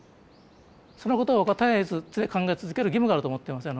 そのことを絶えず常に考え続ける義務があると思ってますよ